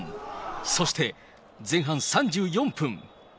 そして、前半３４分。